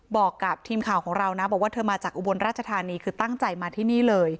บอกกับทีมข่าวของเรานะบอกว่าเธอมาจากอุบลราชธานีคือตั้งใจมาที่นี่เลย